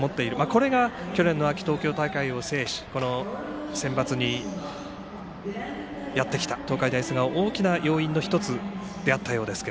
これが去年の秋、東京大会を制しこのセンバツにやってきた東海大菅生、大きな要因の１つであったようですが。